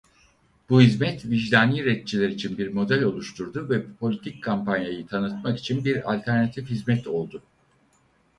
Bu hizmet vicdani retçiler için bir model oluşturdu ve politik kampanyayı tanıtmak için bir alternatif hizmet oldu.